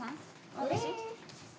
私？